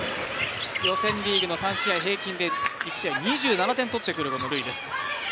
予選リーグの３試合平均で１試合２７点とってくるルイです。